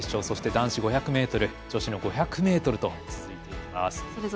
そして男子５００ｍ女子の５００ｍと続いています。